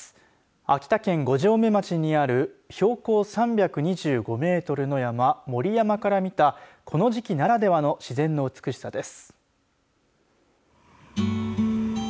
秋田県五城目町にある標高３２５メートルの山森山から見たこの時期ならではの自然の美しさです。